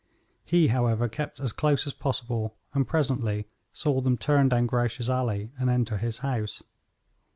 He, however, kept as close as possible, and presently saw them turn down Grouche's alley and enter his house.